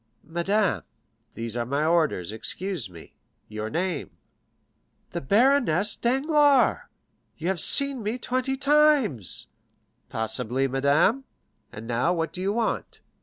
"Madame, these are my orders; excuse me. Your name?" "The baroness Danglars; you have seen me twenty times." "Possibly, madame. And now, what do you want?"